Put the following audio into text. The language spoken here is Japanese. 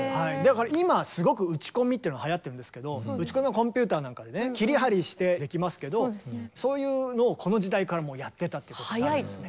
今すごく打ち込みっていうのがはやってるんですけど打ち込みはコンピューターなんかでね切り貼りしてできますけどそういうのをこの時代からもうやってたってことなんですね。